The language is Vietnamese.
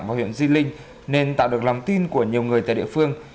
vào huyện di linh nên tạo được lòng tin của nhiều người tại địa phương